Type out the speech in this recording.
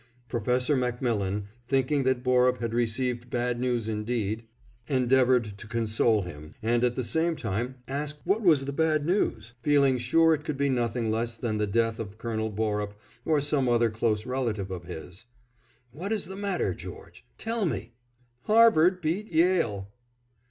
Prof. MacMillan, thinking that Borup had received bad news indeed, endeavored to console him, and at the same time asked what was the bad news, feeling sure it could be nothing less than the death of Colonel Borup or some other close relative of his. "What is the matter, George? Tell me." "HARVARD BEAT YALE!"